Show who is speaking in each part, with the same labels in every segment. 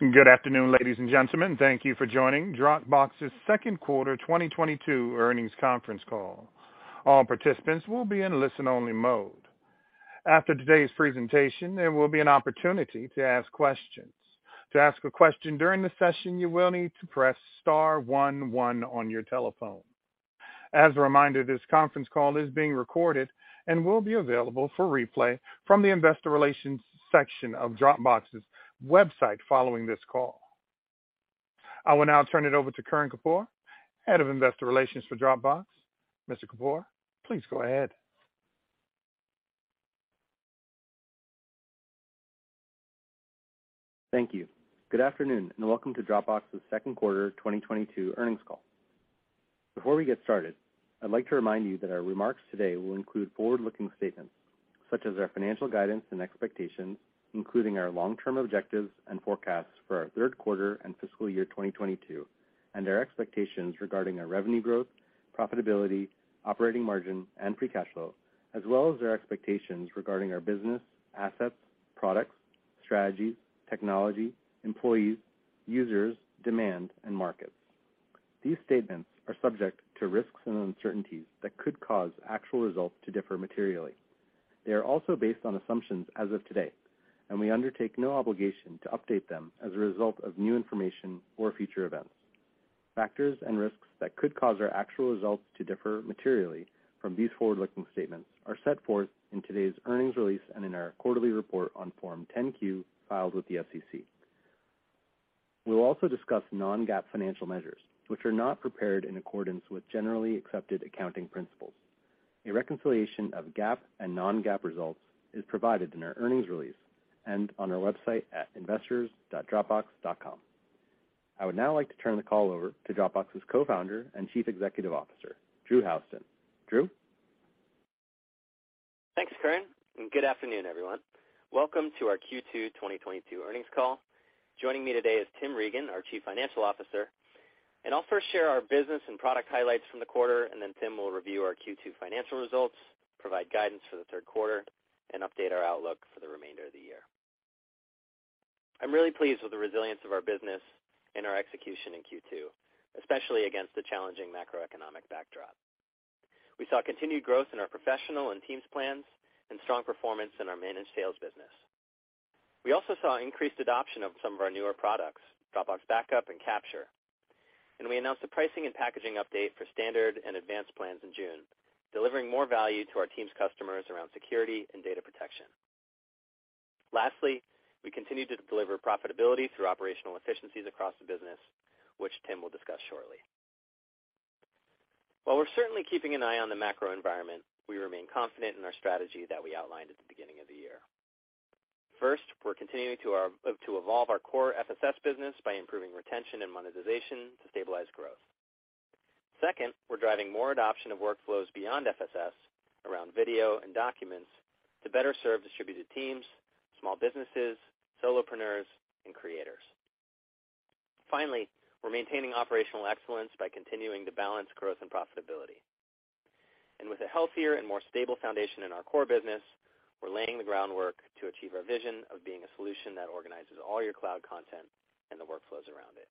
Speaker 1: Good afternoon, ladies and gentlemen. Thank you for joining Dropbox's Q2 2022 earnings conference call. All participants will be in listen-only mode. After today's presentation, there will be an opportunity to ask questions. To ask a question during the session, you will need to press star one one on your telephone. As a reminder, this conference call is being recorded and will be available for replay from the investor relations section of Dropbox's website following this call. I will now turn it over to Karan Kapoor, Head of Investor Relations for Dropbox. Mr. Kapoor, please go ahead.
Speaker 2: Thank you. Good afternoon, and welcome to Dropbox's Q2 2022 earnings call. Before we get started, I'd like to remind you that our remarks today will include forward-looking statements such as our financial guidance and expectations, including our long-term objectives and forecasts for our Q3 and fiscal year 2022, and our expectations regarding our revenue growth, profitability, operating margin, and free cash flow, as well as our expectations regarding our business, assets, products, strategies, technology, employees, users, demand, and markets. These statements are subject to risks and uncertainties that could cause actual results to differ materially. They are also based on assumptions as of today, and we undertake no obligation to update them as a result of new information or future events. Factors and risks that could cause our actual results to differ materially from these forward-looking statements are set forth in today's earnings release and in our quarterly report on Form 10-Q filed with the SEC. We will also discuss non-GAAP financial measures, which are not prepared in accordance with generally accepted accounting principles. A reconciliation of GAAP and non-GAAP results is provided in our earnings release and on our website at investors.dropbox.com. I would now like to turn the call over to Dropbox's co-founder and Chief Executive Officer, Drew Houston. Drew?
Speaker 3: Thanks, Karan, and good afternoon, everyone. Welcome to our Q2 2022 earnings call. Joining me today is Tim Regan, our Chief Financial Officer. I'll first share our business and product highlights from the quarter, and then Tim will review our Q2 financial results, provide guidance for the Q3, and update our outlook for the remainder of the year. I'm really pleased with the resilience of our business and our execution in Q2, especially against the challenging macroeconomic backdrop. We saw continued growth in our professional and teams plans and strong performance in our managed sales business. We also saw increased adoption of some of our newer products, Dropbox Backup and Capture. We announced a pricing and packaging update for standard and advanced plans in June, delivering more value to our team's customers around security and data protection. Lastly, we continued to deliver profitability through operational efficiencies across the business, which Tim wile discuss shortly. While we're certainly keeping an eye on the macro environment, we remain confident in our strategy that we outlined at the beginning of the year. First, we're continuing to evolve our core FSS business by improving retention and monetization to stabilize growth. Second, we're driving more adoption of workflows beyond FSS around video and documents to better serve distributed teams, small businesses, solopreneurs, and creators. Finally, we're maintaining operational excellence by continuing to balance growth and profitability. With a healthier and more stable foundation in our core business, we're laying the groundwork to achieve our vision of being a solution that organizes all your cloud content and the workflows around it.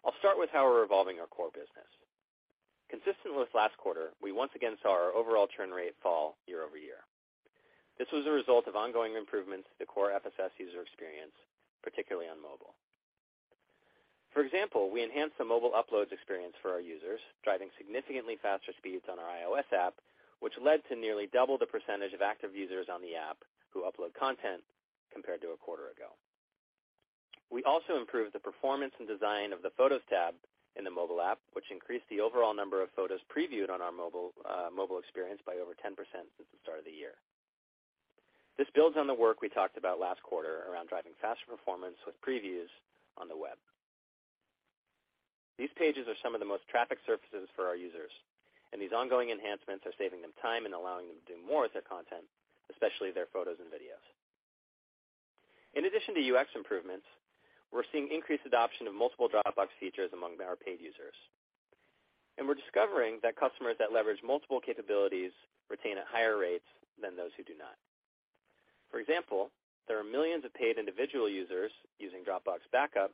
Speaker 3: I'll start with how we're evolving our core business. Consistent with last quarter, we once again saw our overall churn rate fall year-over-year. This was a result of ongoing improvements to the core FSS user experience, particularly on mobile. For example, we enhanced the mobile uploads experience for our users, driving significantly faster speeds on our iOS app, which led to nearly double the percentage of active users on the app who upload content compared to a quarter ago. We also improved the performance and design of the photos tab in the mobile app, which increased the overall number of photos previewed on our mobile experience by over 10% since the start of the year. This builds on the work we talked about last quarter around driving faster performance with previews on the web. These pages are some of the most trafficked surfaces for our users, and these ongoing enhancements are saving them time and allowing them to do more with their content, especially their photos and videos. In addition to UX improvements, we're seeing increased adoption of multiple Dropbox features among our paid users, and we're discovering that customers that leverage multiple capabilities retain at higher rates than those who do not. For example, there are millions of paid individual users using Dropbox Backup,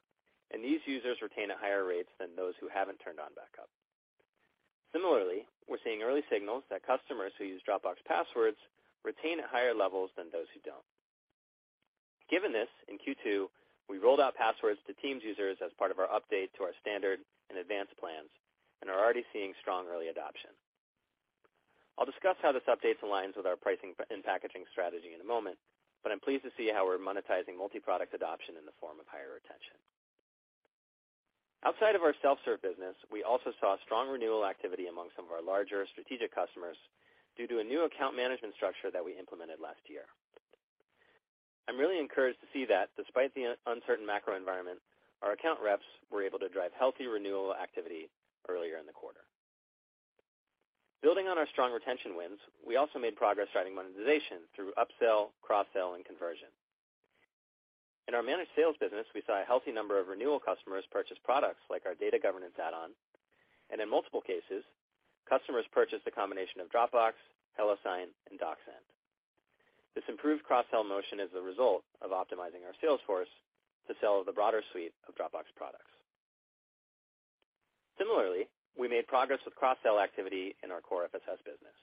Speaker 3: and these users retain at higher rates than those who haven't turned on Backup. Similarly, we're seeing early signals that customers who use Dropbox Passwords retain at higher levels than those who don't. Given this, in Q2, we rolled out Passwords to Teams users as part of our update to our Standard and Advanced plans and are already seeing strong early adoption. I'll discuss how this update aligns with our pricing and packaging strategy in a moment, but I'm pleased to see how we're monetizing multi-product adoption in the form of higher retention. Outside of our self-serve business, we also saw strong renewal activity among some of our larger strategic customers due to a new account management structure that we implemented last year. I'm really encouraged to see that despite the uncertain macro environment, our account reps were able to drive healthy renewal activity earlier in the quarter. Building on our strong retention wins, we also made progress driving monetization through upsell, cross-sell, and conversion. In our managed sales business, we saw a healthy number of renewal customers purchase products like our data governance add-on. In multiple cases, customers purchased a combination of Dropbox, HelloSign, and DocSend. This improved cross-sell motion is a result of optimizing our sales force to sell the broader suite of Dropbox products. Similarly, we made progress with cross-sell activity in our core FSS business.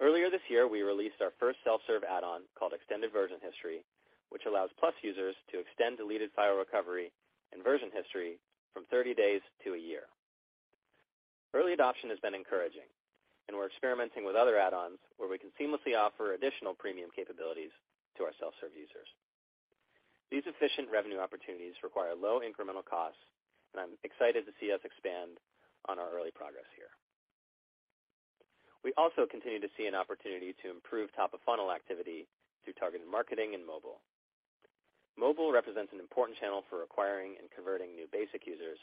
Speaker 3: Earlier this year, we released our first self-serve add-on called Extended Version History, which allows plus users to extend deleted file recovery and version history from 30 days to a year. Early adoption has been encouraging, and we're experimenting with other add-ons where we can seamlessly offer additional premium capabilities to our self-serve users. These efficient revenue opportunities require low incremental costs, and I'm excited to see us expand on our early progress here. We also continue to see an opportunity to improve top-of-funnel activity through targeted marketing and mobile. Mobile represents an important channel for acquiring and converting new basic users,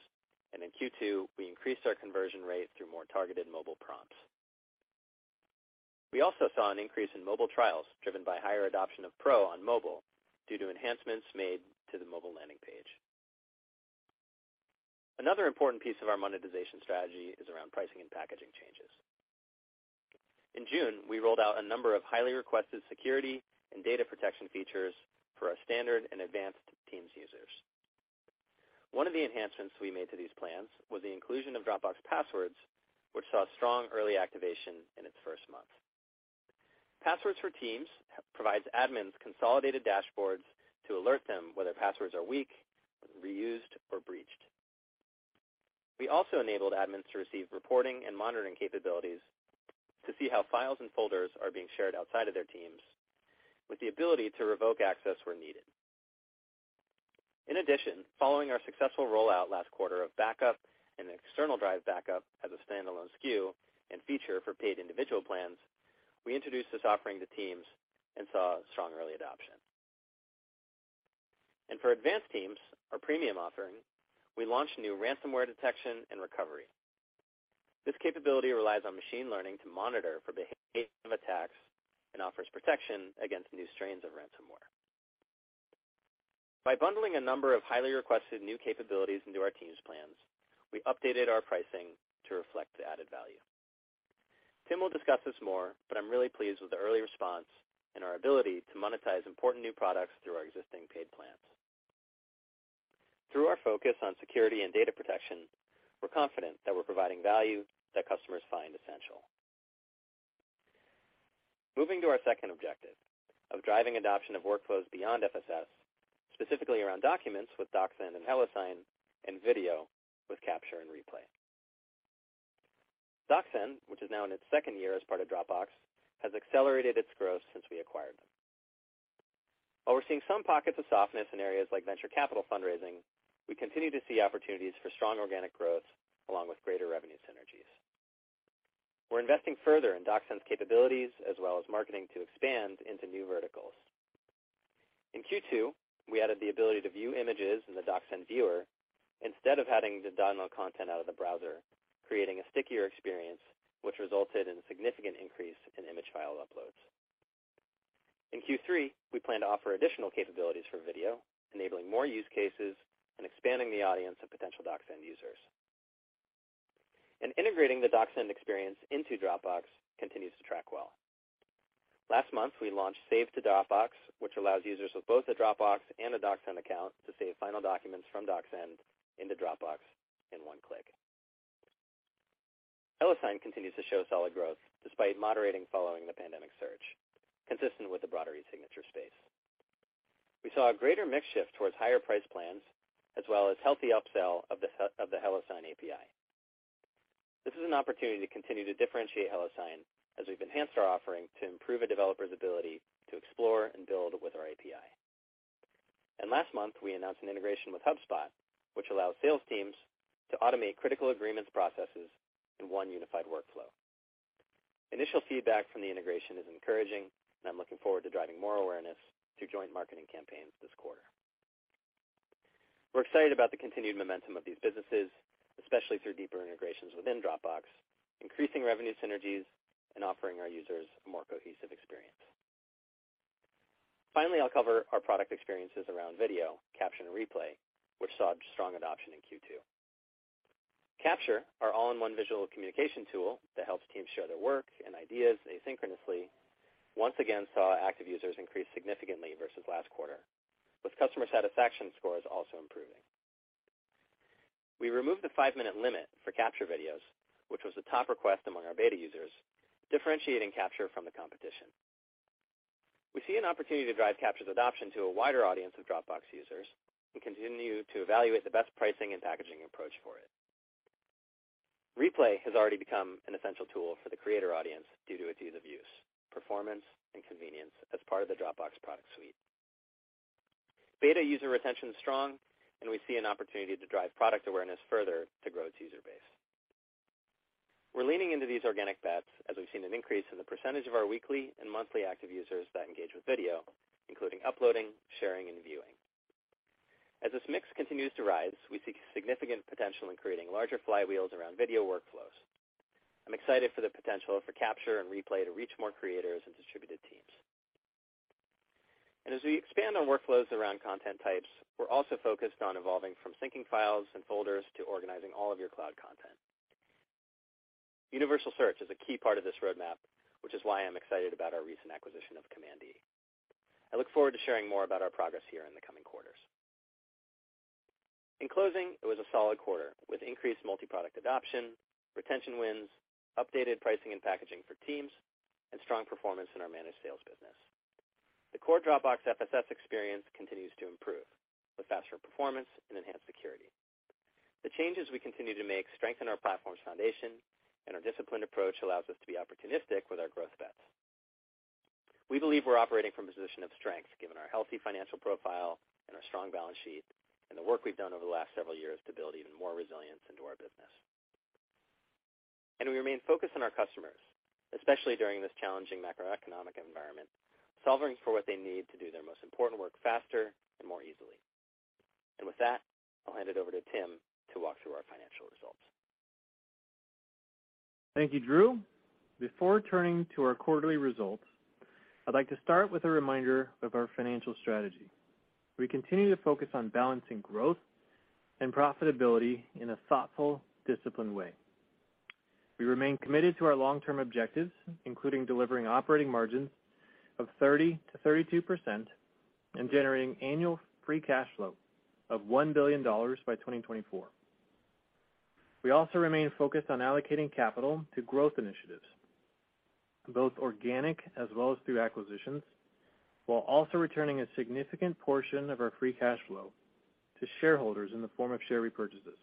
Speaker 3: and in Q2, we increased our conversion rate through more targeted mobile prompts. We also saw an increase in mobile trials driven by higher adoption of Pro on mobile due to enhancements made to the mobile landing page. Another important piece of our monetization strategy is around pricing and packaging changes. In June, we rolled out a number of highly requested security and data protection features for our Standard and Advanced team users. One of the enhancements we made to these plans was the inclusion of Dropbox Passwords, which saw strong early activation in its first month. Passwords for teams provides admins consolidated dashboards to alert them whether passwords are weak, reused, or breached. We also enabled admins to receive reporting and monitoring capabilities to see how files and folders are being shared outside of their teams, with the ability to revoke access where needed. In addition, following our successful rollout last quarter of backup and external drive backup as a standalone SKU and feature for paid individual plans, we introduced this offering to teams and saw strong early adoption. For advanced teams, our premium offering, we launched new ransomware detection and recovery. This capability relies on machine learning to monitor for behavior of attacks and offers protection against new strains of ransomware. By bundling a number of highly requested new capabilities into our teams plans, we updated our pricing to reflect the added value. Tim will discuss this more, but I'm really pleased with the early response and our ability to monetize important new products through our existing paid plans. Through our focus on security and data protection, we're confident that we're providing value that customers find essential. Moving to our second objective of driving adoption of workflows beyond FSS, specifically around documents with DocSend and HelloSign, and video with Capture and Replay. DocSend, which is now in its second year as part of Dropbox, has accelerated its growth since we acquired them. While we're seeing some pockets of softness in areas like venture capital fundraising, we continue to see opportunities for strong organic growth along with greater revenue synergies. We're investing further in DocSend's capabilities, as well as marketing to expand into new verticals. In Q2, we added the ability to view images in the DocSend viewer instead of having to download content out of the browser, creating a stickier experience, which resulted in significant increase in image file uploads. In Q3, we plan to offer additional capabilities for video, enabling more use cases and expanding the audience of potential DocSend users. Integrating the DocSend experience into Dropbox continues to track well. Last month, we launched Save to Dropbox, which allows users with both a Dropbox and a DocSend account to save final documents from DocSend into Dropbox in one click. HelloSign continues to show solid growth despite moderating following the pandemic surge, consistent with the broader e-signature space. We saw a greater mix shift towards higher priced plans, as well as healthy upsell of the HelloSign API. This is an opportunity to continue to differentiate HelloSign as we've enhanced our offering to improve a developer's ability to explore and build with our API. Last month, we announced an integration with HubSpot, which allows sales teams to automate critical agreement processes in one unified workflow. Initial feedback from the integration is encouraging, and I'm looking forward to driving more awareness through joint marketing campaigns this quarter. We're excited about the continued momentum of these businesses, especially through deeper integrations within Dropbox, increasing revenue synergies, and offering our users a more cohesive experience. Finally, I'll cover our product experiences around video, Capture, and Replay, which saw strong adoption in Q2. Capture, our all-in-one visual communication tool that helps teams share their work and ideas asynchronously, once again saw active users increase significantly versus last quarter, with customer satisfaction scores also improving. We removed the five-minute limit for Capture videos, which was a top request among our beta users, differentiating Capture from the competition. We see an opportunity to drive Capture's adoption to a wider audience of Dropbox users and continue to evaluate the best pricing and packaging approach for it. Replay has already become an essential tool for the creator audience due to its ease of use, performance, and convenience as part of the Dropbox product suite. Beta user retention is strong, and we see an opportunity to drive product awareness further to grow its user base. We're leaning into these organic bets as we've seen an increase in the percentage of our weekly and monthly active users that engage with video, including uploading, sharing, and viewing. As this mix continues to rise, we see significant potential in creating larger flywheels around video workflows. I'm excited for the potential for Capture and Replay to reach more creators and distributed teams. As we expand on workflows around content types, we're also focused on evolving from syncing files and folders to organizing all of your cloud content. Universal search is a key part of this roadmap, which is why I'm excited about our recent acquisition of Command E. I look forward to sharing more about our progress here in the coming quarters. In closing, it was a solid quarter, with increased multi-product adoption, retention wins, updated pricing and packaging for teams, and strong performance in our managed sales business. The core Dropbox FSS experience continues to improve, with faster performance and enhanced security. The changes we continue to make strengthen our platform's foundation, and our disciplined approach allows us to be opportunistic with our growth bets. We believe we're operating from a position of strength, given our healthy financial profile and our strong balance sheet, and the work we've done over the last several years to build even more resilience into our business. We remain focused on our customers, especially during this challenging macroeconomic environment, solving for what they need to do their most important work faster and more easily. With that, I'll hand it over to Tim to walk through our financial results.
Speaker 4: Thank you, Drew. Before turning to our quarterly results, I'd like to start with a reminder of our financial strategy. We continue to focus on balancing growth and profitability in a thoughtful, disciplined way. We remain committed to our long-term objectives, including delivering operating margins of 30%-32% and generating annual free cash flow of $1 billion by 2024. We also remain focused on allocating capital to growth initiatives, both organic as well as through acquisitions, while also returning a significant portion of our free cash flow to shareholders in the form of share repurchases.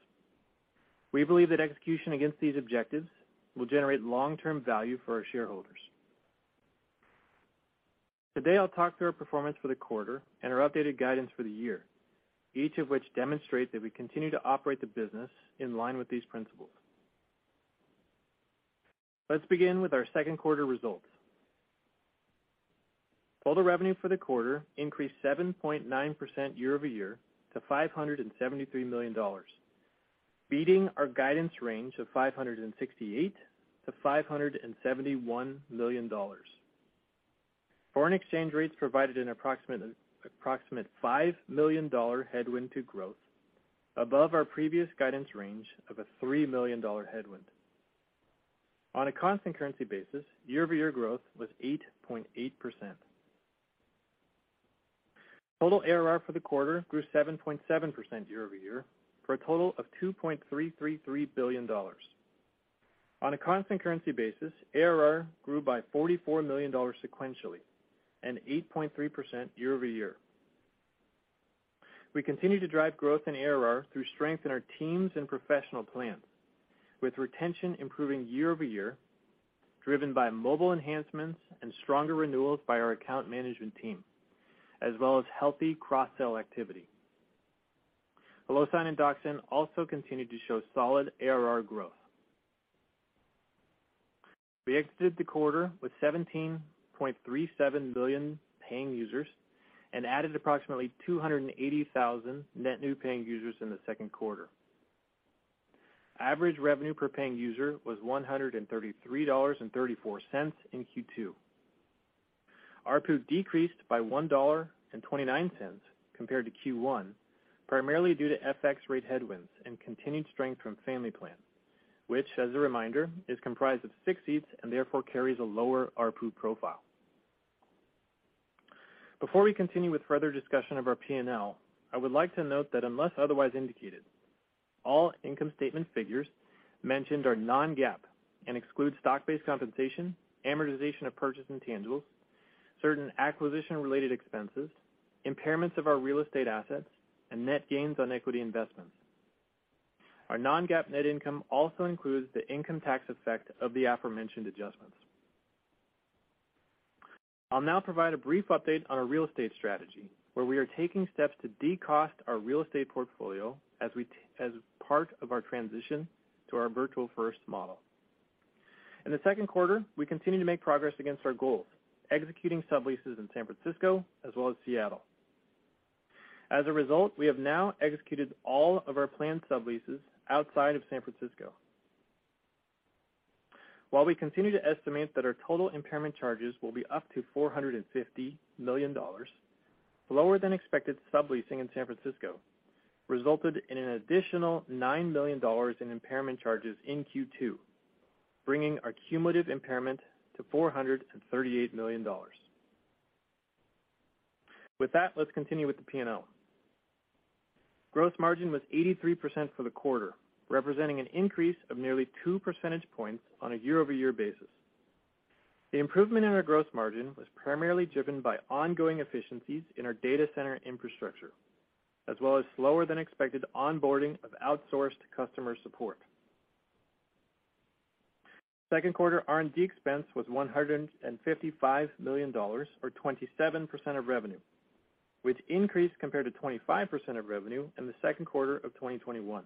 Speaker 4: We believe that execution against these objectives will generate long-term value for our shareholders. Today, I'll talk through our performance for the quarter and our updated guidance for the year, each of which demonstrate that we continue to operate the business in line with these principles. Let's begin with our Q2 results. Total revenue for the quarter increased 7.9% year-over-year to $573 million, beating our guidance range of $568 million-$571 million. Foreign exchange rates provided an approximate $5 million headwind to growth above our previous guidance range of a $3 million headwind. On a constant currency basis, year-over-year growth was 8.8%. Total ARR for the quarter grew 7.7% year-over-year for a total of $2.333 billion. On a constant currency basis, ARR grew by $44 million sequentially and 8.3% year-over-year. We continue to drive growth in ARR through strength in our teams and professional plans, with retention improving year-over-year, driven by mobile enhancements and stronger renewals by our account management team, as well as healthy cross-sell activity. HelloSign and DocSend also continued to show solid ARR growth. We exited the quarter with 17.37 million paying users and added approximately 280,000 net new paying users in the Q2. Average revenue per paying user was $133.34 in Q2. ARPU decreased by $1.29 compared to Q1, primarily due to FX rate headwinds and continued strength from Dropbox Family, which, as a reminder, is comprised of 6 seats and therefore carries a lower ARPU profile. Before we continue with further discussion of our P&L, I would like to note that unless otherwise indicated, all income statement figures mentioned are non-GAAP and exclude stock-based compensation, amortization of purchased intangibles, certain acquisition-related expenses, impairments of our real estate assets, and net gains on equity investments. Our non-GAAP net income also includes the income tax effect of the aforementioned adjustments. I'll now provide a brief update on our real estate strategy, where we are taking steps to decost our real estate portfolio as part of our transition to our Virtual First model. In the Q2, we continued to make progress against our goals, executing subleases in San Francisco as well as Seattle. As a result, we have now executed all of our planned subleases outside of San Francisco. While we continue to estimate that our total impairment charges will be up to $450 million, lower than expected subleasing in San Francisco resulted in an additional $9 million in impairment charges in Q2, bringing our cumulative impairment to $438 million. With that, let's continue with the P&L. Gross margin was 83% for the quarter, representing an increase of nearly two percentage points on a year-over-year basis. The improvement in our gross margin was primarily driven by ongoing efficiencies in our data center infrastructure, as well as slower than expected onboarding of outsourced customer support. Q2 R&D expense was $155 million or 27% of revenue, which increased compared to 25% of revenue in the Q2 of 2021.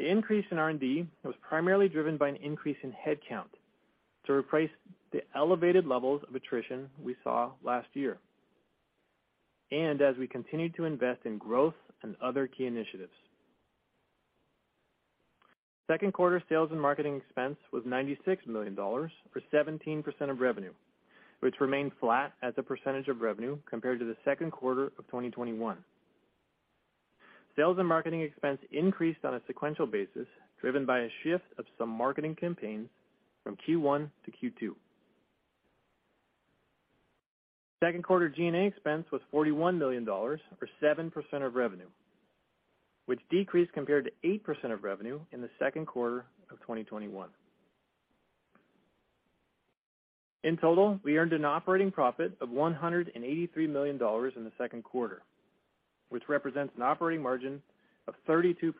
Speaker 4: The increase in R&D was primarily driven by an increase in headcount to replace the elevated levels of attrition we saw last year, and as we continued to invest in growth and other key initiatives. Q2 sales and marketing expense was $96 million or 17% of revenue, which remained flat as a percentage of revenue compared to the Q2 of 2021. Sales and marketing expense increased on a sequential basis, driven by a shift of some marketing campaigns from Q1 to Q2. Q2 G&A expense was $41 million or 7% of revenue, which decreased compared to 8% of revenue in the Q2 of 2021. In total, we earned an operating profit of $183 million in the Q2, which represents an operating margin of 32%,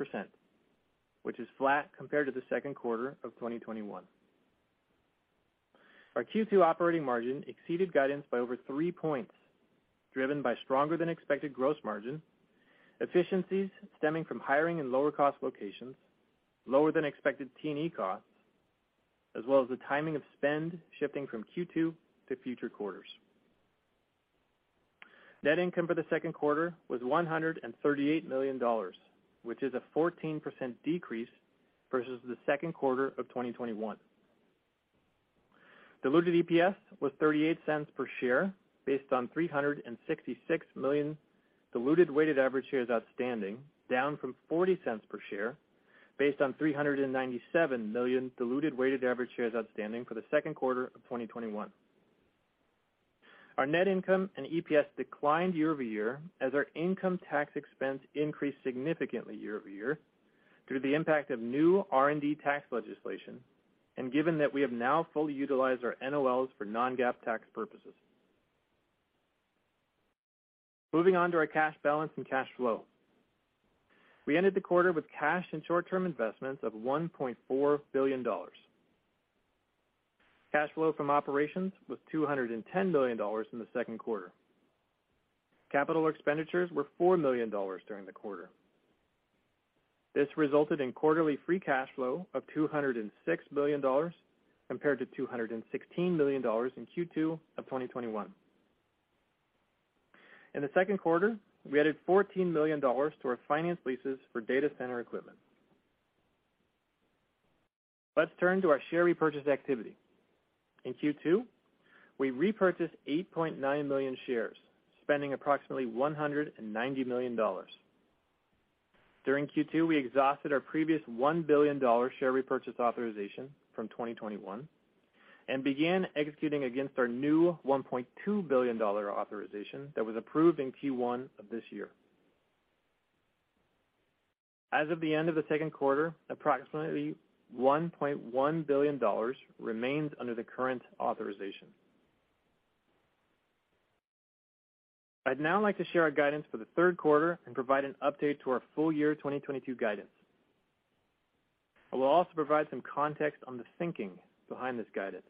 Speaker 4: which is flat compared to the Q2 of 2021. Our Q2 operating margin exceeded guidance by over 3 points, driven by stronger than expected gross margin, efficiencies stemming from hiring in lower cost locations, lower than expected T&E costs, as well as the timing of spend shifting from Q2 to future quarters. Net income for the Q2 was $138 million, which is a 14% decrease versus the Q2 of 2021. Diluted EPS was $0.38 per share based on 366 million diluted weighted average shares outstanding, down from $0.40 per share based on 397 million diluted weighted average shares outstanding for the Q2 of 2021. Our net income and EPS declined year-over-year as our income tax expense increased significantly year-over-year due to the impact of new R&D tax legislation, and given that we have now fully utilized our NOLs for non-GAAP tax purposes. Moving on to our cash balance and cash flow. We ended the quarter with cash and short-term investments of $1.4 billion. Cash flow from operations was $210 million in the Q2. Capital expenditures were $4 million during the quarter. This resulted in quarterly free cash flow of $206 million compared to $216 million in Q2 of 2021. In the Q2, we added $14 million to our finance leases for data center equipment. Let's turn to our share repurchase activity. In Q2, we repurchased 8.9 million shares, spending approximately $190 million. During Q2, we exhausted our previous $1 billion share repurchase authorization from 2021 and began executing against our new $1.2 billion authorization that was approved in Q1 of this year. As of the end of the Q2, approximately $1.1 billion remains under the current authorization. I'd now like to share our guidance for the Q3 and provide an update to our full year 2022 guidance. I will also provide some context on the thinking behind this guidance.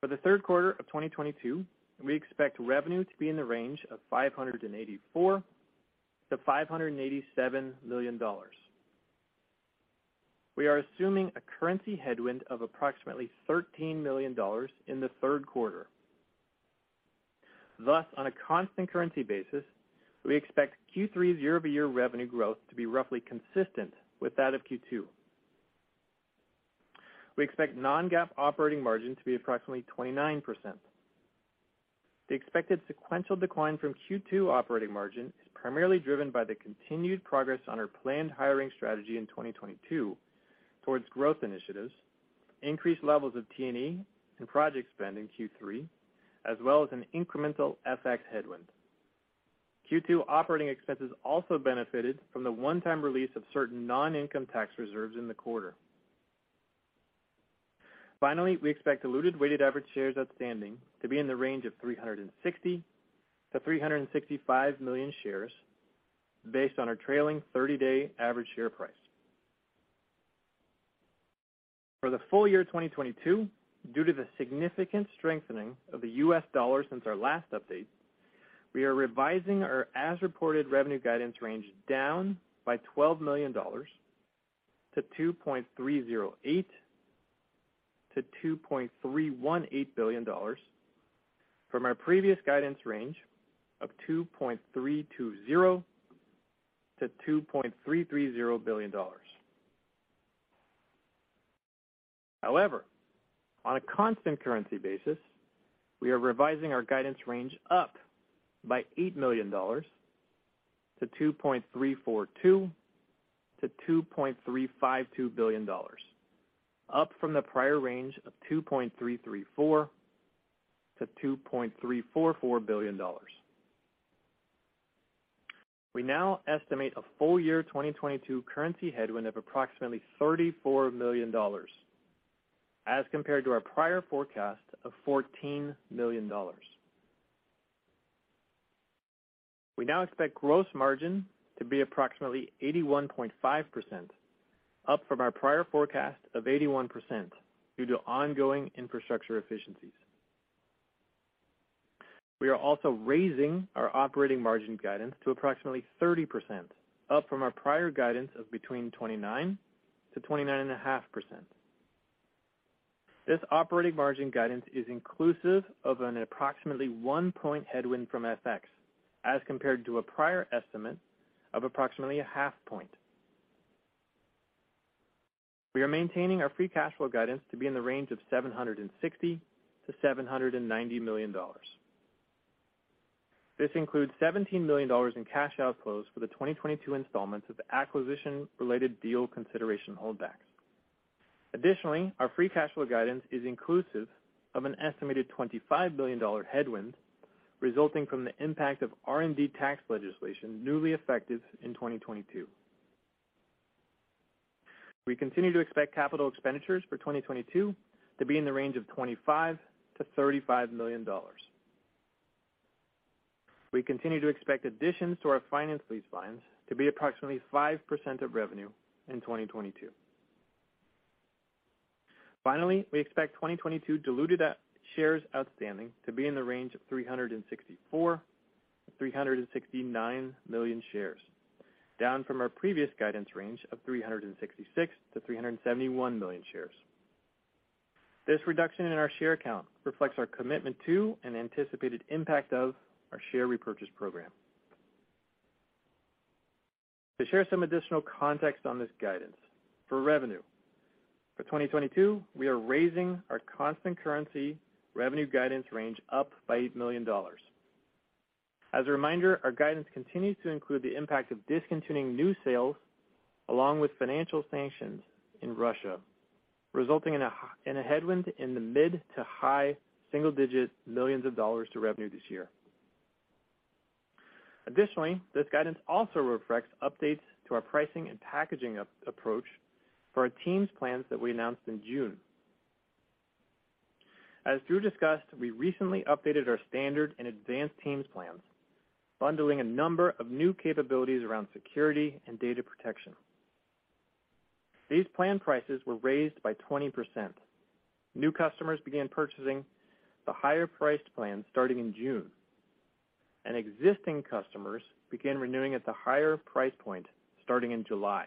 Speaker 4: For the Q3 of 2022, we expect revenue to be in the range of $584 million-$587 million. We are assuming a currency headwind of approximately $13 million in the Q3. Thus, on a constant currency basis, we expect Q3 year-over-year revenue growth to be roughly consistent with that of Q2. We expect non-GAAP operating margin to be approximately 29%. The expected sequential decline from Q2 operating margin is primarily driven by the continued progress on our planned hiring strategy in 2022 towards growth initiatives, increased levels of T&E and project spend in Q3, as well as an incremental FX headwind. Q2 operating expenses also benefited from the one-time release of certain non-income tax reserves in the quarter. Finally, we expect diluted weighted average shares outstanding to be in the range of 360-365 million shares based on our trailing 30-day average share price. For the full year 2022, due to the significant strengthening of the US dollar since our last update, we are revising our as-reported revenue guidance range down by $12 million to $2.308-$2.318 billion from our previous guidance range of $2.320-$2.330 billion. However, on a constant currency basis, we are revising our guidance range up by $8 million to $2.342-$2.352 billion, up from the prior range of $2.334-$2.344 billion. We now estimate a full year 2022 currency headwind of approximately $34 million as compared to our prior forecast of $14 million. We now expect gross margin to be approximately 81.5%, up from our prior forecast of 81% due to ongoing infrastructure efficiencies. We are also raising our operating margin guidance to approximately 30%, up from our prior guidance of between 29%-29.5%. This operating margin guidance is inclusive of an approximately 1 point headwind from FX as compared to a prior estimate of approximately a 0.5 point. We are maintaining our free cash flow guidance to be in the range of $760-$790 million. This includes $17 million in cash outflows for the 2022 installments of the acquisition-related deal consideration holdbacks. Additionally, our free cash flow guidance is inclusive of an estimated $25 million headwind resulting from the impact of R&D tax legislation newly effective in 2022. We continue to expect capital expenditures for 2022 to be in the range of $25-$35 million. We continue to expect additions to our finance lease volumes to be approximately 5% of revenue in 2022. Finally, we expect 2022 diluted shares outstanding to be in the range of 364-369 million shares, down from our previous guidance range of 366-371 million shares. This reduction in our share count reflects our commitment to and anticipated impact of our share repurchase program. To share some additional context on this guidance, for revenue, for 2022, we are raising our constant currency revenue guidance range up by $8 million. As a reminder, our guidance continues to include the impact of discontinuing new sales along with financial sanctions in Russia, resulting in a headwind in the mid- to high-single-digit millions of dollars to revenue this year. Additionally, this guidance also reflects updates to our pricing and packaging approach for our Teams plans that we announced in June. As Drew discussed, we recently updated our Standard and Advanced Teams plans, bundling a number of new capabilities around security and data protection. These plan prices were raised by 20%. New customers began purchasing the higher-priced plans starting in June, and existing customers began renewing at the higher price point starting in July.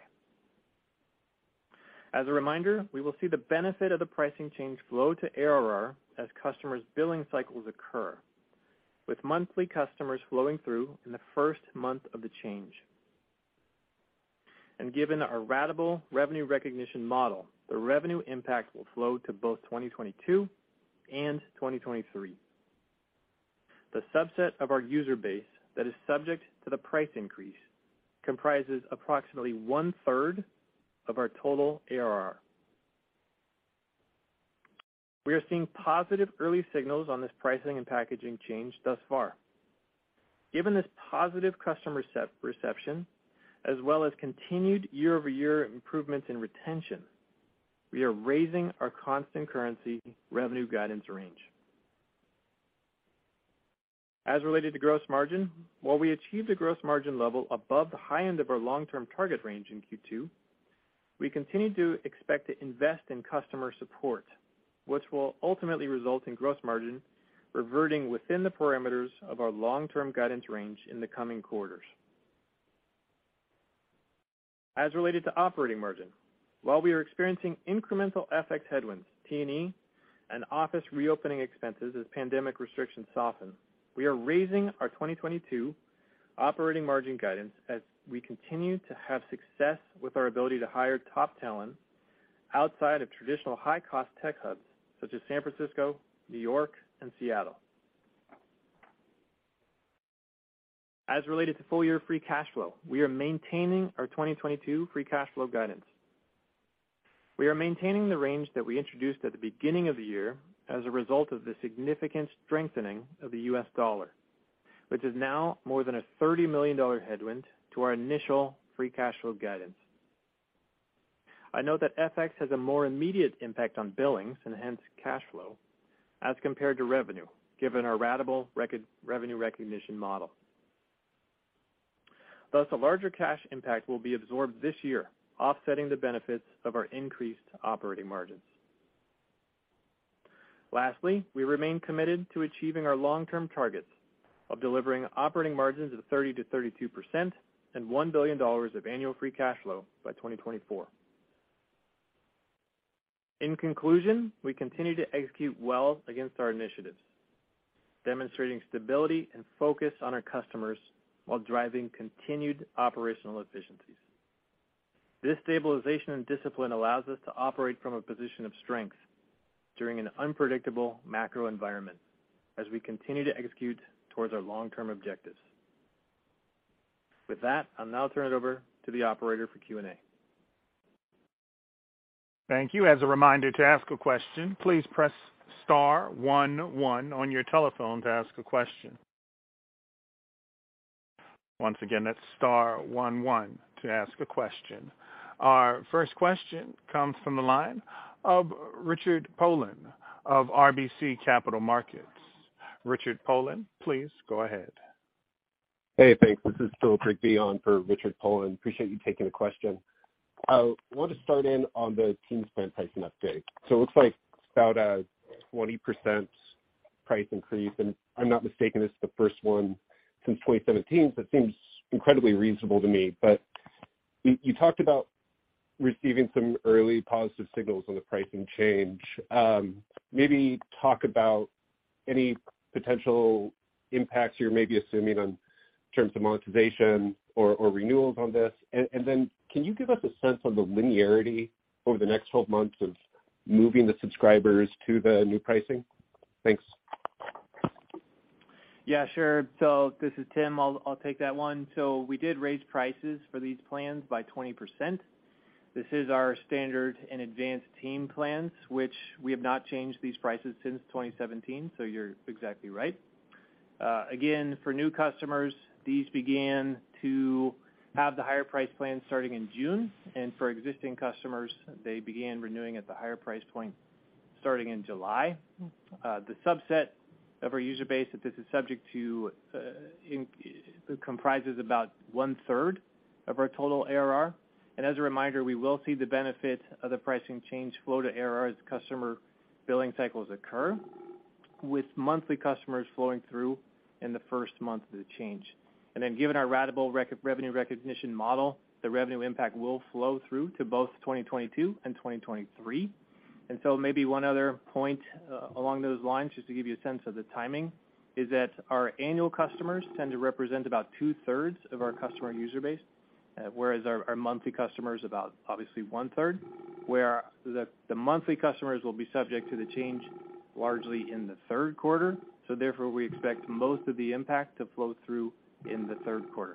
Speaker 4: As a reminder, we will see the benefit of the pricing change flow to ARR as customers' billing cycles occur, with monthly customers flowing through in the first month of the change. Given our ratable revenue recognition model, the revenue impact will flow to both 2022 and 2023. The subset of our user base that is subject to the price increase comprises approximately one-third of our total ARR. We are seeing positive early signals on this pricing and packaging change thus far. Given this positive customer set reception, as well as continued year-over-year improvements in retention, we are raising our constant currency revenue guidance range. As related to gross margin, while we achieved a gross margin level above the high end of our long-term target range in Q2, we continue to expect to invest in customer support, which will ultimately result in gross margin reverting within the parameters of our long-term guidance range in the coming quarters. As related to operating margin, while we are experiencing incremental FX headwinds, T&E, and office reopening expenses as pandemic restrictions soften, we are raising our 2022 operating margin guidance as we continue to have success with our ability to hire top talent outside of traditional high-cost tech hubs, such as San Francisco, New York, and Seattle. As related to full year free cash flow, we are maintaining our 2022 free cash flow guidance. We are maintaining the range that we introduced at the beginning of the year as a result of the significant strengthening of the US dollar, which is now more than a $30 million headwind to our initial free cash flow guidance. I know that FX has a more immediate impact on billings, and hence cash flow, as compared to revenue, given our ratable revenue recognition model. Thus, a larger cash impact will be absorbed this year, offsetting the benefits of our increased operating margins. Lastly, we remain committed to achieving our long-term targets of delivering operating margins of 30%-32% and $1 billion of annual free cash flow by 2024. In conclusion, we continue to execute well against our initiatives, demonstrating stability and focus on our customers while driving continued operational efficiencies. This stabilization and discipline allows us to operate from a position of strength during an unpredictable macro environment as we continue to execute towards our long-term objectives. With that, I'll now turn it over to the operator for Q&A.
Speaker 1: Thank you. As a reminder, to ask a question, please press star one one on your telephone to ask a question. Once again, that's star one one to ask a question. Our first question comes from the line of Rishi Jaluria of RBC Capital Markets. Rishi Jaluria, please go ahead.
Speaker 5: Hey, thanks. This is Phil Drake filling in for Rishi Jaluria. Appreciate you taking the question. Want to start in on the Teams plan pricing update. It looks like about a 20% price increase, and if I'm not mistaken, this is the first one since 2017, so it seems incredibly reasonable to me. You talked about receiving some early positive signals on the pricing change. Maybe talk about any potential impacts you're maybe assuming in terms of monetization or renewals on this. And then can you give us a sense on the linearity over the next twelve months of moving the subscribers to the new pricing? Thanks.
Speaker 4: Yeah, sure. This is Tim. I'll take that one. We did raise prices for these plans by 20%. This is our Standard and Advanced team plans, which we have not changed these prices since 2017, so you're exactly right. Again, for new customers, these began to have the higher price plans starting in June, and for existing customers, they began renewing at the higher price point starting in July. The subset of our user base that this is subject to comprises about 1/3 of our total ARR. As a reminder, we will see the benefit of the pricing change flow to ARR as customer billing cycles occur, with monthly customers flowing through in the first month of the change. Given our ratable revenue recognition model, the revenue impact will flow through to both 2022 and 2023. Maybe one other point, along those lines, just to give you a sense of the timing, is that our annual customers tend to represent about two-thirds of our customer user base, whereas our monthly customer is about, obviously, one-third, where the monthly customers will be subject to the change largely in the Q3. Therefore, we expect most of the impact to flow through in the Q3.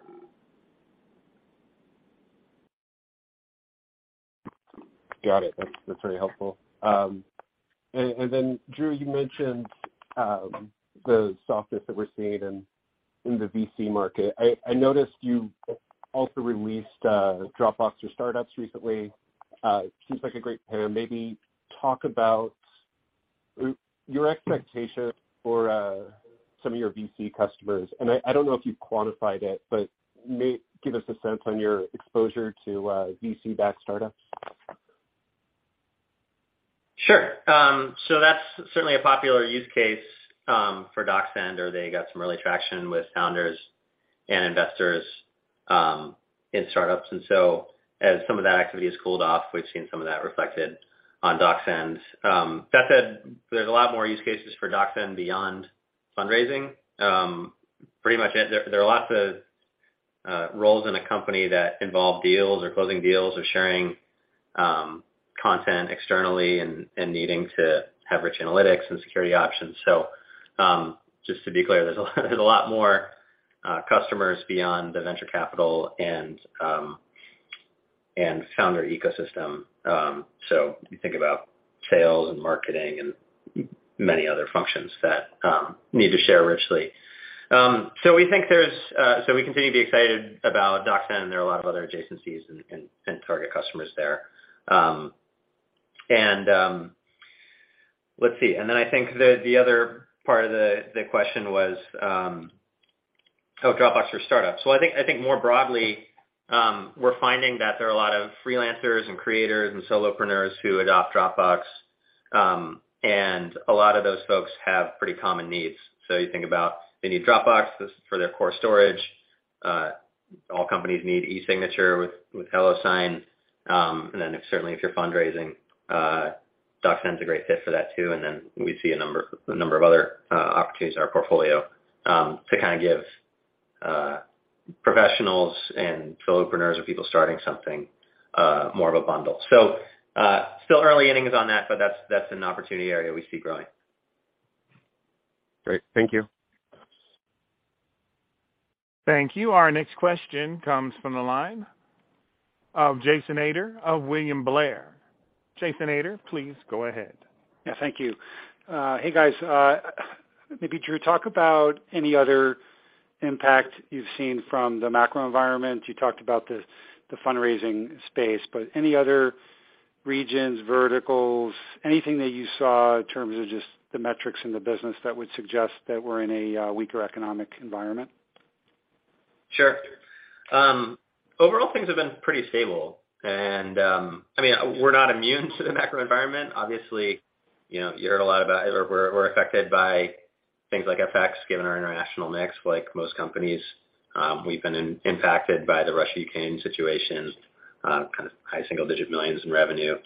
Speaker 5: Got it. That's very helpful. Drew, you mentioned the softness that we're seeing in the VC market. I noticed you also released Dropbox for Startups recently. Seems like a great pair. Maybe talk about your expectation for some of your VC customers. I don't know if you've quantified it, but may give us a sense on your exposure to VC-backed startups.
Speaker 3: Sure. That's certainly a popular use case for DocSend, or they got some early traction with founders and investors in startups. As some of that activity has cooled off, we've seen some of that reflected on DocSend. That said, there's a lot more use cases for DocSend beyond fundraising. Pretty much it. There are lots of roles in a company that involve deals or closing deals or sharing content externally and needing to have rich analytics and security options. Just to be clear, there's a lot more customers beyond the venture capital and founder ecosystem. You think about sales and marketing and many other functions that need to share richly. We continue to be excited about DocSend, and there are a lot of other adjacencies and target customers there. Let's see. I think the other part of the question was, oh, Dropbox for Startups. I think more broadly, we're finding that there are a lot of freelancers and creators and solopreneurs who adopt Dropbox, and a lot of those folks have pretty common needs. You think about they need Dropbox, this is for their core storage. All companies need e-signature with HelloSign. If certainly if you're fundraising, DocSend's a great fit for that too, and then we see a number of other opportunities in our portfolio, to kind of give professionals and solopreneurs or people starting something more of a bundle. Still early innings on that, but that's an opportunity area we see growing.
Speaker 5: Great. Thank you.
Speaker 1: Thank you. Our next question comes from the line of Jason Ader of William Blair. Jason Ader, please go ahead.
Speaker 6: Yeah, thank you. Hey, guys. Maybe Drew, talk about any other impact you've seen from the macro environment. You talked about the fundraising space, but any other regions, verticals, anything that you saw in terms of just the metrics in the business that would suggest that we're in a weaker economic environment?
Speaker 3: Sure. Overall things have been pretty stable. I mean, we're not immune to the macro environment. obviously you heard a lot about, or we're affected by things like FX, given our international mix like most companies. We've been impacted by the Russia-Ukraine situation, kind of high single-digit millions in revenue,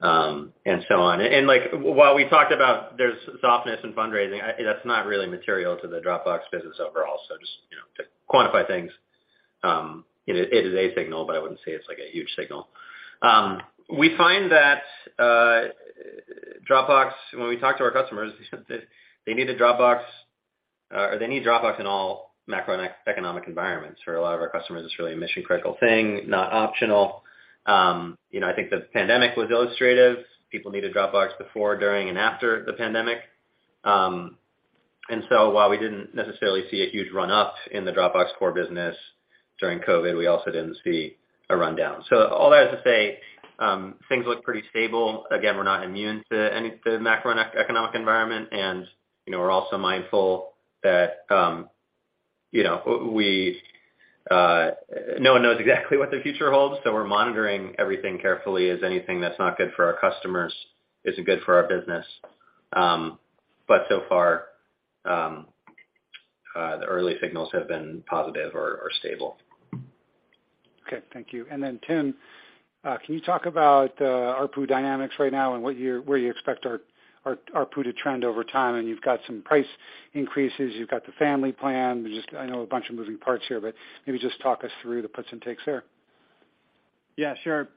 Speaker 3: and so on. Like, while we talked about there's softness in fundraising, that's not really material to the Dropbox business overall. just to quantify things it is a signal, but I wouldn't say it's like a huge signal. We find that, Dropbox, when we talk to our customers, they need a Dropbox, or they need Dropbox in all macroeconomic environments. For a lot of our customers, it's really a mission-critical thing, not optional. I think the pandemic was illustrative. People needed Dropbox before, during, and after the pandemic. While we didn't necessarily see a huge run-up in the Dropbox core business during COVID, we also didn't see a rundown. All that is to say, things look pretty stable. Again, we're not immune to the macroeconomic environment. We're also mindful that no one knows exactly what the future holds, so we're monitoring everything carefully as anything that's not good for our customers isn't good for our business. So far, the early signals have been positive or stable.
Speaker 6: Okay. Thank you. Tim, can you talk about ARPU dynamics right now and where you expect our ARPU to trend over time? You've got some price increases, you've got the Family plan. There's just, I know, a bunch of moving parts here, but maybe just talk us through the puts and takes there.
Speaker 4: Yeah, sure.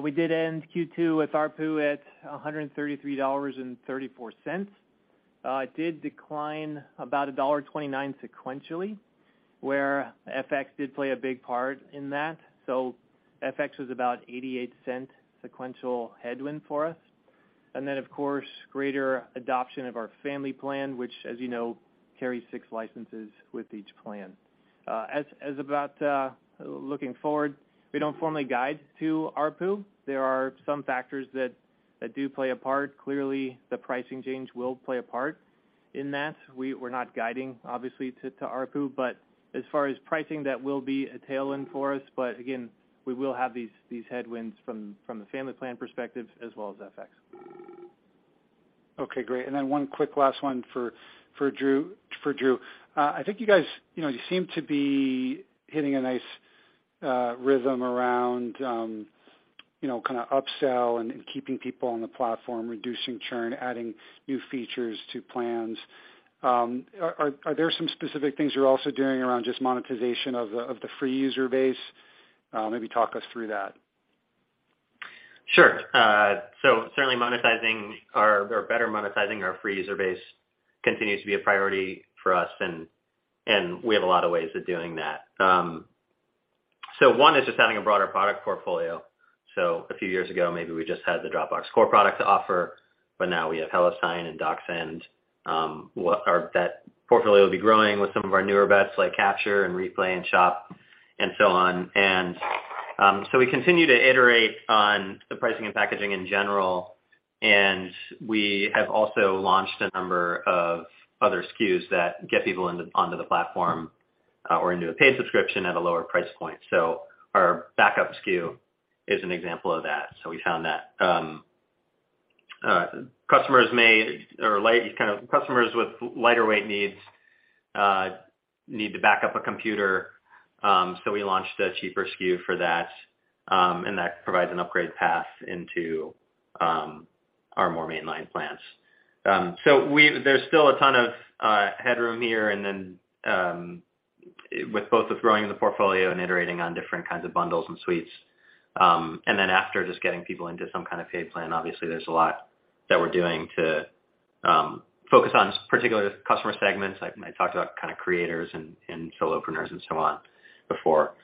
Speaker 4: We did end Q2 with ARPU at $133.34. It did decline about $1.29 sequentially, where FX did play a big part in that. FX was about 88-cent sequential headwind for us. Of course, greater adoption of our family plan, which, as carries six licenses with each plan. Looking forward, we don't formally guide to ARPU. There are some factors that do play a part. Clearly, the pricing change will play a part in that. We're not guiding, obviously, to ARPU, but as far as pricing, that will be a tailwind for us. Again, we will have these headwinds from the family plan perspective as well as FX.
Speaker 6: Okay, great. One quick last one for Drew. I think you guys you seem to be hitting a nice rhythm around kinda upsell and keeping people on the platform, reducing churn, adding new features to plans. Are there some specific things you're also doing around just monetization of the free user base? Maybe talk us through that.
Speaker 3: Sure. Certainly better monetizing our free user base continues to be a priority for us, and we have a lot of ways of doing that. One is just having a broader product portfolio. A few years ago, maybe we just had the Dropbox Core product to offer, but now we have HelloSign and DocSend. That portfolio will be growing with some of our newer bets like Capture and Replay and Shop and so on. We continue to iterate on the pricing and packaging in general, and we have also launched a number of other SKUs that get people onto the platform or into a paid subscription at a lower price point. Our backup SKU is an example of that. We found that kind of customers with lighter weight needs need to back up a computer, so we launched a cheaper SKU for that, and that provides an upgrade path into our more mainline plans. There's still a ton of headroom here and then with both the growing of the portfolio and iterating on different kinds of bundles and suites. After just getting people into some kind of paid plan, obviously, there's a lot that we're doing to focus on particular customer segments, like I talked about kind of creators and solopreneurs and so on before.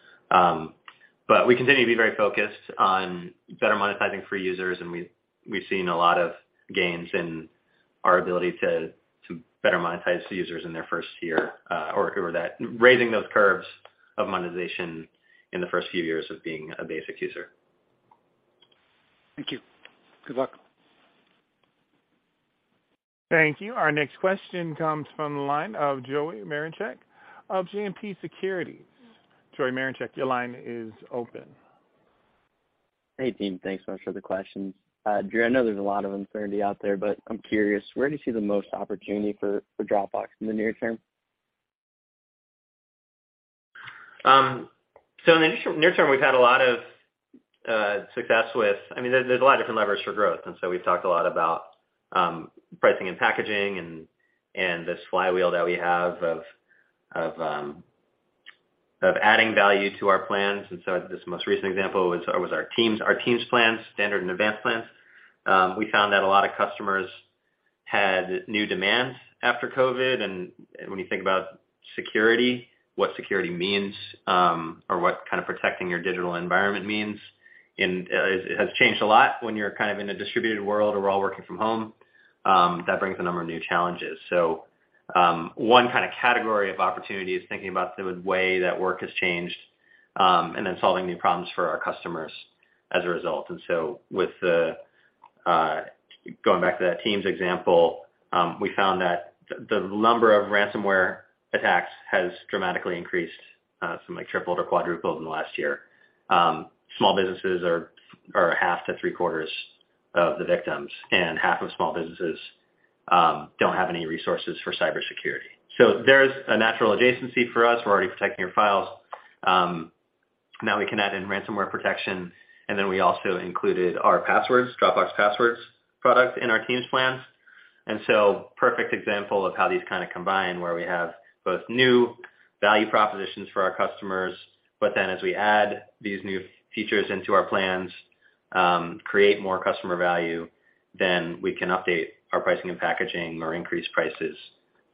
Speaker 3: We continue to be very focused on better monetizing free users, and we've seen a lot of gains in our ability to better monetize the users in their first year, or who are that, raising those curves of monetization in the first few years of being a basic user.
Speaker 6: Thank you. Good luck.
Speaker 1: Thank you. Our next question comes from the line of Joey Marincek of JMP Securities. Joey Marincek, your line is open.
Speaker 7: Hey, team. Thanks so much for the questions. Drew, I know there's a lot of uncertainty out there, but I'm curious, where do you see the most opportunity for Dropbox in the near term?
Speaker 3: In the near term, we've had a lot of success with, I mean, there's a lot of different levers for growth, and so we've talked a lot about pricing and packaging and this flywheel that we have of adding value to our plans. This most recent example was our teams plan, Standard and Advanced plans. We found that a lot of customers had new demands after COVID. When you think about security, what security means, or what kind of protecting your digital environment means, and it has changed a lot when you're kind of in a distributed world or we're all working from home, that brings a number of new challenges. One kind of category of opportunity is thinking about the way that work has changed, and then solving new problems for our customers as a result. With going back to that teams example, we found that the number of ransomware attacks has dramatically increased, some like tripled or quadrupled in the last year. Small businesses are half to three-quarters of the victims, and half of small businesses don't have any resources for cybersecurity. There's a natural adjacency for us. We're already protecting your files. Now we can add in ransomware protection, and then we also included our passwords, Dropbox Passwords product in our teams plans. Perfect example of how these kind of combine, where we have both new value propositions for our customers. As we add these new features into our plans, create more customer value, then we can update our pricing and packaging or increase prices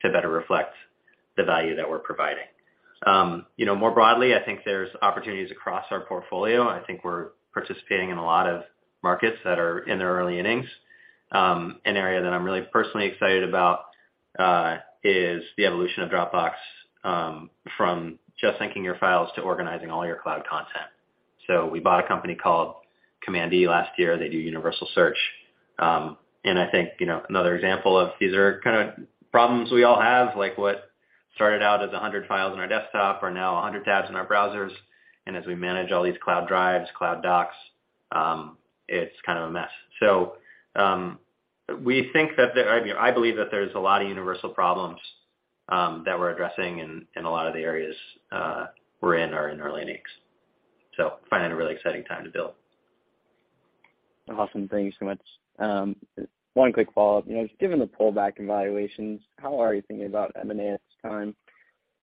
Speaker 3: to better reflect the value that we're providing. More broadly, I think there's opportunities across our portfolio. I think we're participating in a lot of markets that are in their early innings. An area that I'm really personally excited about is the evolution of Dropbox from just syncing your files to organizing all your cloud content. We bought a company called Command E last year. They do universal search. And I think another example of these are kind of problems we all have, like what started out as 100 files on our desktop are now 100 tabs in our browsers. As we manage all these cloud drives, cloud docs, it's kind of a mess. We think that—I mean, I believe that there's a lot of universal problems that we're addressing in a lot of the areas we're in are in early innings. Finding a really exciting time to build.
Speaker 7: Awesome. Thank you so much. One quick follow-up. Just given the pullback in valuations, how are you thinking about M&A at this time?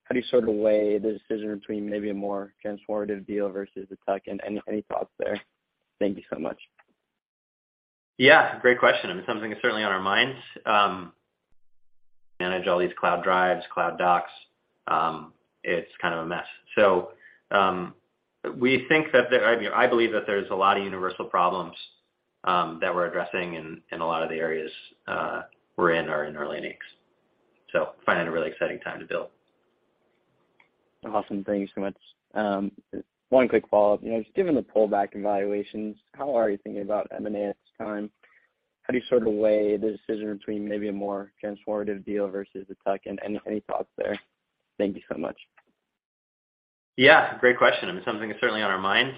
Speaker 7: How do you sort of weigh the decision between maybe a more transformative deal versus a tuck-in? Any thoughts there? Thank you so much.
Speaker 3: Yeah, great question, and something certainly on our minds. Manage all these cloud drives, cloud docs, it's kind of a mess. I mean, I believe that there's a lot of universal problems that we're addressing in a lot of the areas we're in are in early innings. Finding a really exciting time to build.
Speaker 7: Awesome. Thank you so much. One quick follow-up. Just given the pullback in valuations, how are you thinking about M&A at this time? How do you sort of weigh the decision between maybe a more transformative deal versus a tuck-in? Any thoughts there? Thank you so much.
Speaker 3: Yeah, great question, and something certainly on our minds.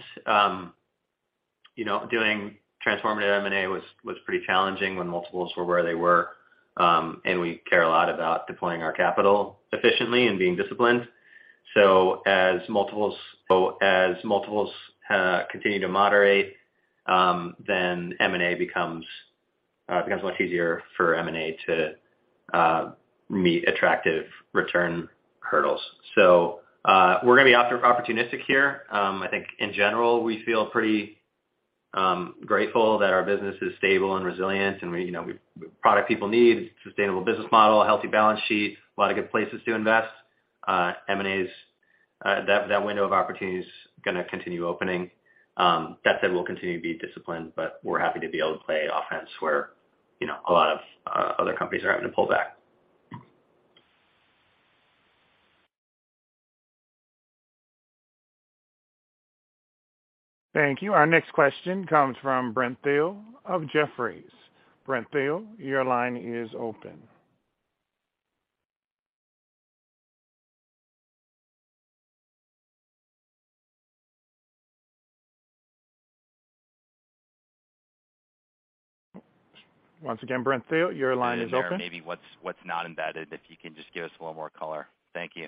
Speaker 3: Doing transformative M&A was pretty challenging when multiples were where they were. We care a lot about deploying our capital efficiently and being disciplined. As multiples continue to moderate, then M&A becomes much easier for M&A to meet attractive return hurdles. We're going to be opportunistic here. I think in general, we feel pretty grateful that our business is stable and resilient and we're product people need sustainable business model, a healthy balance sheet, a lot of good places to invest. M&A's, that window of opportunity is going to continue opening. That said, we'll continue to be disciplined, but we're happy to be able to play offense where a lot of other companies are having to pull back.
Speaker 1: Thank you. Our next question comes from Brent Thill of Jefferies. Brent Thill, your line is open. Once again, Brent Thill, your line is open.
Speaker 8: Maybe what's not embedded, if you can just give us a little more color. Thank you.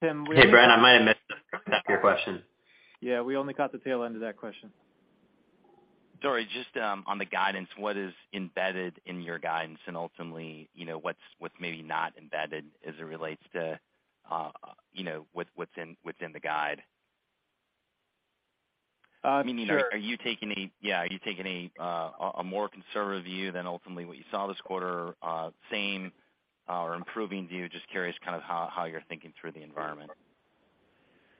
Speaker 8: Tim, we
Speaker 3: Hey, Brent, I might have missed the first half of your question.
Speaker 4: Yeah, we only caught the tail end of that question.
Speaker 8: Sorry. Just, on the guidance, what is embedded in your guidance and ultimately what's maybe not embedded as it relates to what's in the guide?
Speaker 4: Sure.
Speaker 8: I mean, yeah, are you taking a more conservative view than ultimately what you saw this quarter, same, or improving view? Just curious kind of how you're thinking through the environment.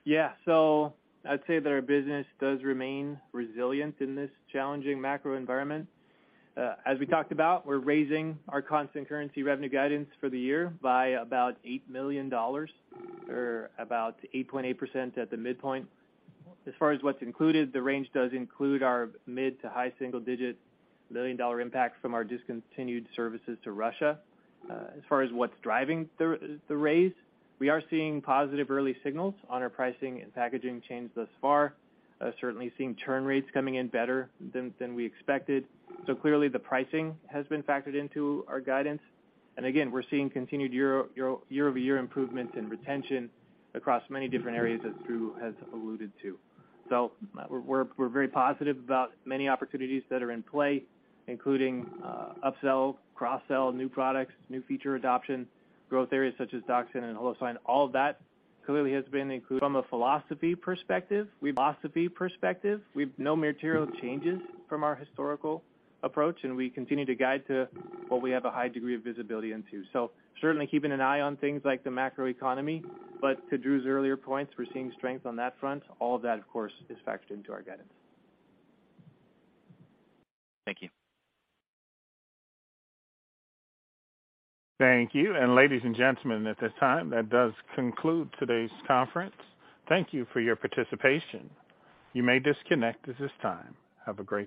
Speaker 4: Yeah. I'd say that our business does remain resilient in this challenging macro environment. As we talked about, we're raising our constant-currency revenue guidance for the year by about $8 million or about 8.8% at the midpoint. As far as what's included, the range does include our mid- to high single-digit million-dollar impact from our discontinued services to Russia. As far as what's driving the raise, we are seeing positive early signals on our pricing and packaging change thus far. Certainly seeing churn rates coming in better than we expected. Clearly the pricing has been factored into our guidance. Again, we're seeing continued year-over-year improvement in retention across many different areas as Drew has alluded to. We're very positive about many opportunities that are in play, including upsell, cross-sell, new products, new feature adoption, growth areas such as DocSend and HelloSign. All of that clearly has been included. From a philosophy perspective, we've no material changes from our historical approach, and we continue to guide to what we have a high degree of visibility into. Certainly keeping an eye on things like the macroeconomy, but to Drew's earlier points, we're seeing strength on that front. All of that, of course, is factored into our guidance.
Speaker 8: Thank you.
Speaker 1: Thank you. Ladies and gentlemen, at this time, that does conclude today's conference. Thank you for your participation. You may disconnect at this time. Have a great day.